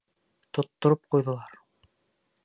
Тоттороп ҡуйҙылар!